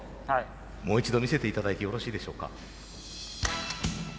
もう一度見せて頂いてよろしいでしょうか。